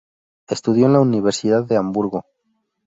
Estudió en la Universidad de Hamburgo.